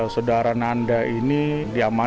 sudara nanda ini diamankan